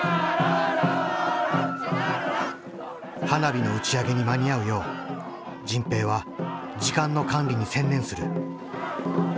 花火の打ち上げに間に合うよう迅平は時間の管理に専念する。